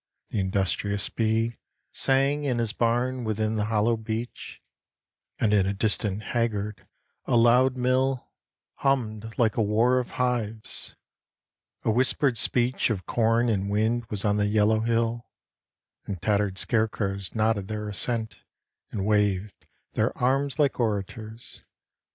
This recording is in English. The industrious bee Sang in his barn within the hollow beech, And in a distant haggard a loud mill 75 76 THE VISITATION OF PEACE Hummed like a war of hives. A whispered speech Of corn and wind was on the yellow hill, And tattered scarecrows nodded their assent And waved their arms like orators.